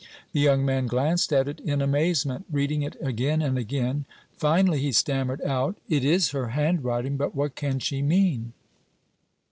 The young man glanced at it in amazement, reading it again and again; finally he stammered out: "It is her handwriting, but what can she mean?"